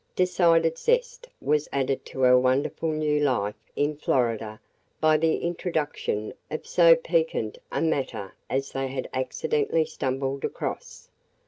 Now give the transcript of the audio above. Decided zest was added to her wonderful new life in Florida by the introduction of so piquant a matter as they had accidentally stumbled across.